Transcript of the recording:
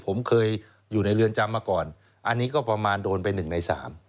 ผมเคยอยู่ในเรือนจำมาก่อนอันนี้ก็ประมาณโดนไป๑ใน๓